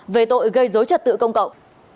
về tội gây dối trật tự công cộng